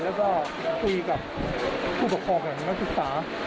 แล้วก็คุยกับผู้ปกครองของนักศึกษา